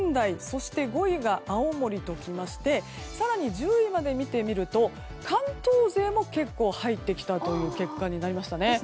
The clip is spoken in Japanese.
そして５位が青森と来まして更に、１０位まで見てみると関東勢も結構入ってきたという結果になりました。